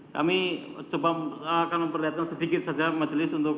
kami coba akan memperlihatkan sedikit saja majelis untuk